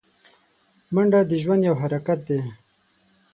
منډه د ژوند یو حرکت دی